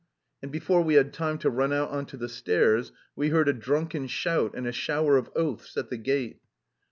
And before we had time to run out on to the stairs we heard a drunken shout and a shower of oaths at the gate.